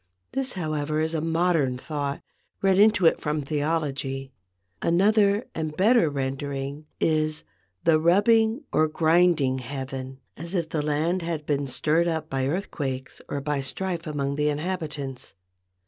This, however, is a modern thought, read into it from theology. Another and better rendering is "the rubbing or grinding heaven," as if the land had been stirred up by earthquakes or by strife among the inhabitants.